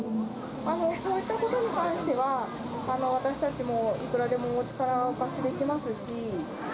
そういったことに関しては、私たちもいくらでもお力をお貸しできますし。